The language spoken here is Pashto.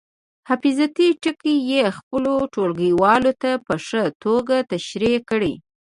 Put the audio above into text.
حفاظتي ټکي یې خپلو ټولګیوالو ته په ښه توګه تشریح کړئ.